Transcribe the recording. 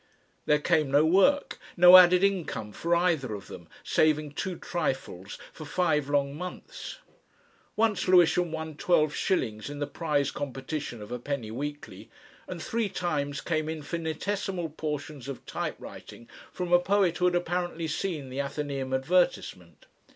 There came no work, no added income for either of them, saving two trifles, for five long months. Once Lewisham won twelve shillings in the prize competition of a penny weekly, and three times came infinitesimal portions of typewriting from a poet who had apparently seen the Athenaeum advertisement.